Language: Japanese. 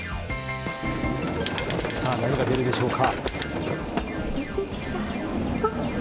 さあ、何が出るでしょうか。